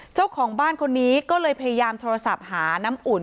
เจ้าของบ้านคนนี้ก็เลยพยายามโทรศัพท์หาน้ำอุ่น